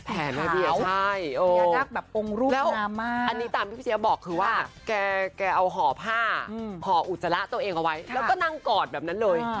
แผนไว้เบียงใช่โอ้โหอันนี้ตามพี่พิเศษบอกคือว่าแกเอาห่อผ้าห่ออุจจระตัวเองเอาไว้แล้วก็นั่งกอดแบบนั้นเลย